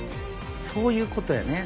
そういうことやね。